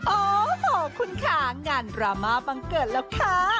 โอ้โหคุณค่ะงานดราม่าบังเกิดแล้วค่ะ